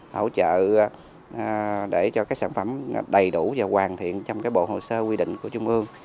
hỗ trợ để cho các sản phẩm đầy đủ và hoàn thiện trong bộ hồ sơ quy định của trung ương